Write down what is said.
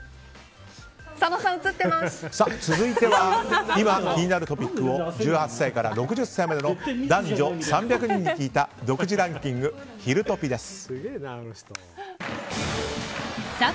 続いては今気になるトピックを１８歳から６０歳までの男女３００人に聞いた独自ランキングひるトピ！です。